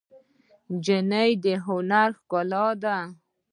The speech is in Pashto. نجلۍ د هنر ښکلا ده.